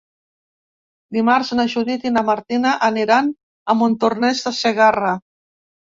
Dimarts na Judit i na Martina aniran a Montornès de Segarra.